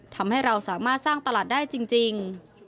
ทำให้เราสามารถสร้างตลาดได้จริง